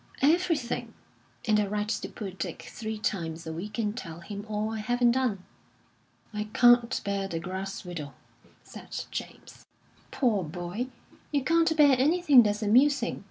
"Everything. And I write to poor Dick three times a week, and tell him all I haven't done." "I can't bear the grass widow," said James. "Poor boy, you can't bear anything that's amusing!